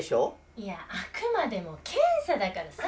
いやあくまでも検査だからさ。